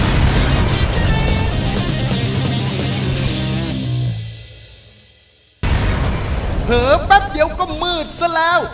หรือแบบเดี๋ยวก็มืดซะแล้ว